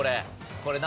これ。